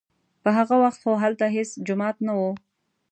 په هغه وخت خو هلته هېڅ جومات نه و.